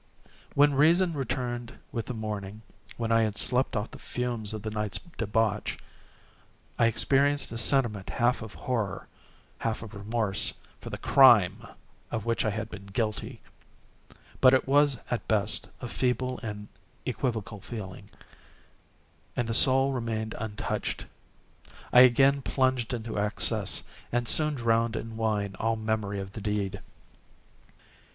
When reason returned with the morning—when I had slept off the fumes of the night's debauch—I experienced a sentiment half of horror, half of remorse, for the crime of which I had been guilty; but it was, at best, a feeble and equivocal feeling, and the soul remained untouched. I again plunged into excess, and soon drowned in wine all memory of the deed.